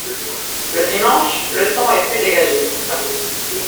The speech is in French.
Le dimanche, le temps est plus dégagé.